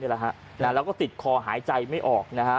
แล้วก็ติดคอหายใจไม่ออกนะฮะ